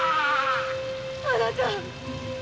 あなた！